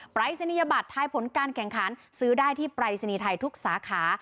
รายศนียบัตรทายผลการแข่งขันซื้อได้ที่ปรายศนีย์ไทยทุกสาขา